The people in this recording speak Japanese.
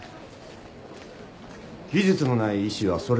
技術のない医師はそれだけで罪だ。